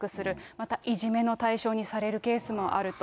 またいじめの対象にされるケースもあると。